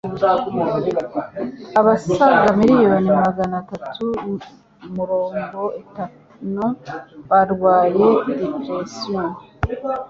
abasaga miliyoni magana tatu murongo itanu barwaye depression.